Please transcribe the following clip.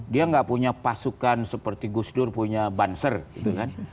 dia nggak punya pasukan seperti gus dur punya banser gitu kan